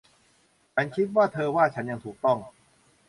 ฉันคิดว่าเธอว่าฉันอย่างถูกต้อง